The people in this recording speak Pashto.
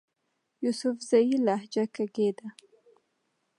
يوسفزئ لهجه کښې ده